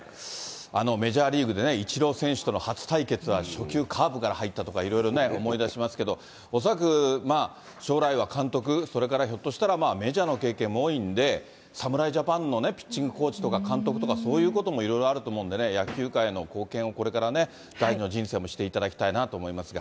メジャーリーグでね、イチロー選手との初対決は初球、カーブから入ったとか、いろいろ思い出しますけど、恐らく、将来は監督、それからひょっとしたらメジャーの経験も多いんで、侍ジャパンのピッチングコーチとか監督とか、そういうこともいろいろあると思うんでね、野球界への貢献をこれからね、第２の人生もしていただきたいなと思いますが。